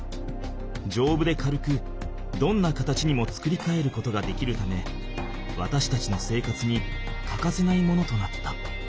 丈夫で軽くどんな形にも作り変えることができるためわたしたちの生活にかかせないものとなった。